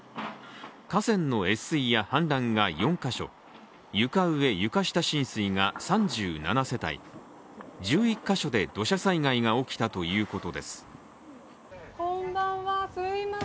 河川の越水や氾濫が４カ所、床上・床下浸水が３７世帯、１１カ所で土砂災害が起きたということです。